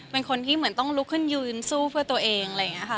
เป็นคนที่เหมือนต้องลุกขึ้นยืนสู้เพื่อตัวเองอะไรอย่างนี้ค่ะ